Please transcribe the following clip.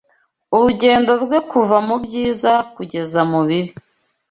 urugendo rwe kuva mubyiza kugeza mubibi